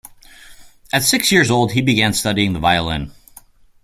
At six years old, he began studying the violin.